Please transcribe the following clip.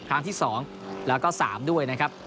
ครั้งที่๒แล้วก็๓ด้วยนะครับ